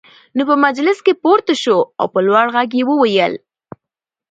نو په مجلس کې پورته شو او په لوړ غږ يې وويل: